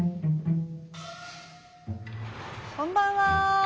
こんばんは。